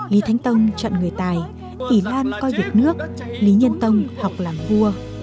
lý thánh tông chọn người tài tỷ lan coi việt nước lý nhân tông học làng vua